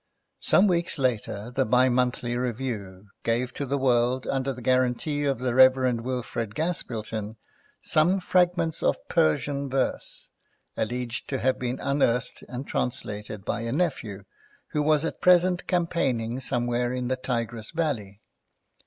Some weeks later the Bi Monthly Review gave to the world, under the guarantee of the Rev. Wilfrid Gaspilton, some fragments of Persian verse, alleged to have been unearthed and translated by a nephew who was at present campaigning somewhere in the Tigris valley.